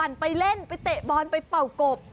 ไปเล่นไปเตะบอลไปเป่ากบ